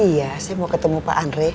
iya saya mau ketemu pak andre